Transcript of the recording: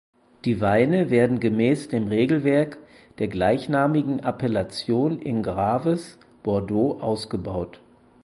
Die Weine werden gemäß dem Regelwerk der gleichnamigen Appellation in Graves (Bordeaux) ausgebaut.